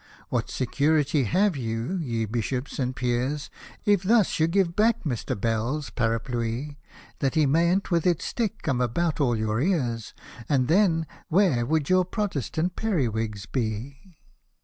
What security have you, ye Bishops and Peers, If thus you give back Mr. Bell's parapluie, That he mayn't, with its stick, come about all your ears, And then — where would your Protestant periwigs be?